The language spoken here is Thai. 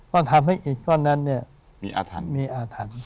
เกิดทำให้อีกก้อนนั้นมีอาทรรพ์